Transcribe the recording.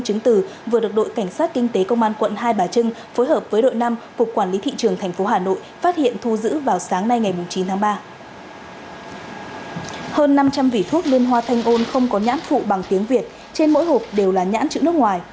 hơn năm trăm linh vỉ thuốc liên hoa thanh ôn không có nhãn phụ bằng tiếng việt trên mỗi hộp đều là nhãn chữ nước ngoài